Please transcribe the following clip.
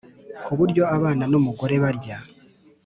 ku buryo abana n’umugore barya